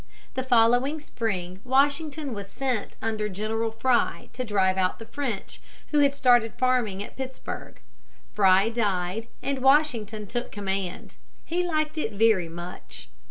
The following spring Washington was sent under General Fry to drive out the French, who had started farming at Pittsburg. Fry died, and Washington took command. He liked it very much.